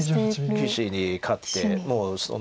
棋士に勝ってもう。